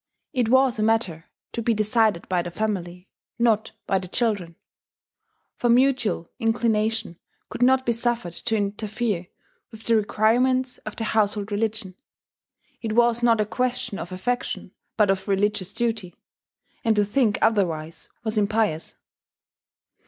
It was a matter to be decided by the family, not by the children; for mutual inclination could not be suffered to interfere with the requirements of the household religion. It was not a question of affection, but of religious duty; and to think otherwise was impious.